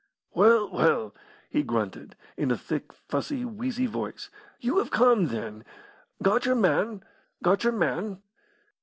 "Well, well," he grunted, in a thick, fussy, wheezy voice, "you have come, then. Got your man? Got your man?